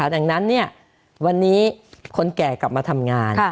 ดังนั้นวันนี้คนแก่กลับมาทำงาน